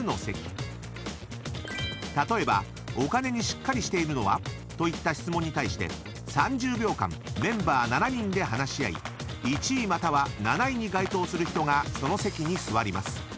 ［例えば「お金にしっかりしているのは？」といった質問に対して３０秒間メンバー７人で話し合い１位または７位に該当する人がその席に座ります］